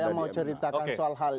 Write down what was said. saya mau ceritakan soal hal ini